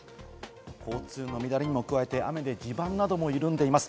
交通の乱れに加えて、雨で地盤も緩んでいます。